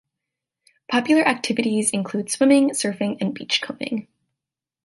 Popular activities include swimming, surfing, and beachcombing.